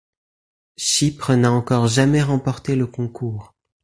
Chypre n'a encore jamais remporté le concours.